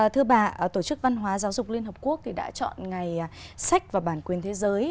thưa bà tổ chức văn hóa giáo dục liên hợp quốc thì đã chọn ngày sách và bản quyền thế giới